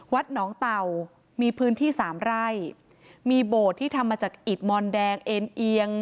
วัดหนองเต่ามีพื้นที่สามไร่มีโบสถ์ที่ทำมาจากอิตมอนแดงเอ็นเอียง